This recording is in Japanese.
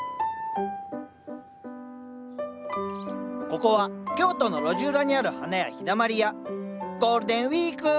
ここは京都の路地裏にある花屋「陽だまり屋」「ゴールデンウイーク」